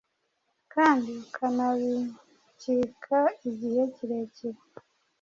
kandi ukanabikika igihe kirekire